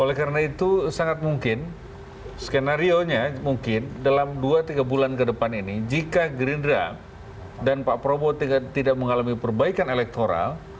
oleh karena itu sangat mungkin skenario nya mungkin dalam dua tiga bulan ke depan ini jika gerindra dan pak prabowo tidak mengalami perbaikan elektoral